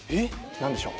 何でしょう？